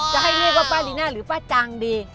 จะให้เรียกว่าป้าลีน่าหรือป้าจางดี